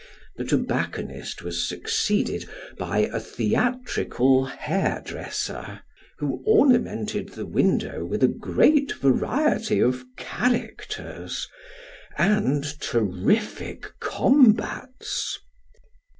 The tobacconist was succeeded by a theatrical hairdresser, who ornamented the window with a great variety of " characters," and terrific combats.